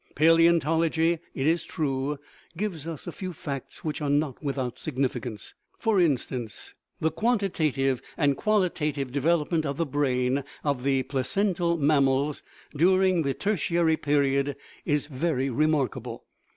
Palaeontology, it is true, gives us a few facts which are not without significance. For in stance, the quantitative and qualitative development of the brain of the placental mammals during the Ter tiary period is very remarkable.